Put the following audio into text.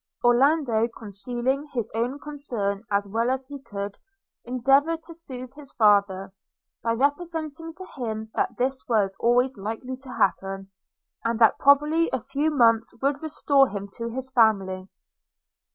Orlando, concealing his own concern as well as he could, endeavoured to sooth his father, by representing to him that this was always likely to happen, and that probably a few months would restore him to his family.